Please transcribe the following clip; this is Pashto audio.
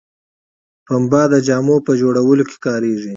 پنبه د جامو په جوړولو کې کاریږي